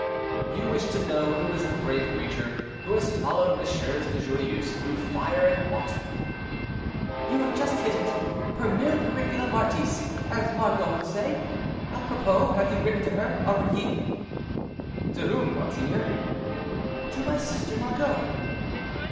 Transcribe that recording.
"You wish to know who is the brave creature who has followed the MM. de Joyeuse through fire and water?" "You have just hit it, 'per mille pericula Martis!' as Margot would say. Apropos, have you written to her, Aurilly?" "To whom, monseigneur?" "To my sister Margot."